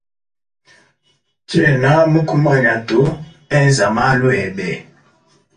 Tshiena mukumanya to enza malu ebe.